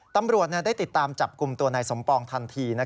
ตำรวจได้ติดตามจับกลุ่มตัวนายสมปองทันที